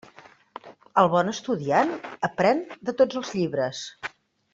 El bon estudiant aprén de tots els llibres.